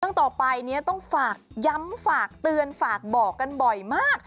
ต่อไปเนี่ยต้องฝากย้ำฝากเตือนฝากบอกกันบ่อยมาก